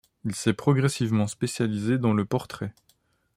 Il s'est progressivement spécialisé dans le portrait.